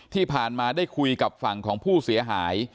ที่ผ่านมาได้คุยกับฝั่งของผู้เสียหาย